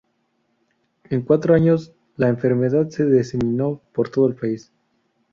En cuatro años la enfermedad se diseminó por todo el país.